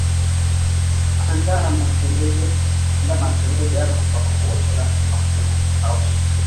andaa matembele yako kwa kuosha na kukausha